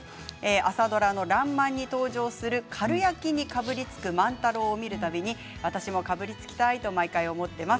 朝ドラの「らんまん」に登場するかるやきにかぶりつく万太郎を見る度に私もかぶりつきたいと毎回、思っています。